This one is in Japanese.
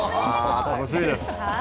楽しみです。